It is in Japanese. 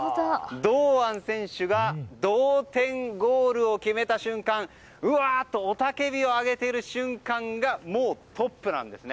堂安選手が同点ゴールを決めた瞬間うわーっ！と雄たけびを上げている瞬間がトップなんです。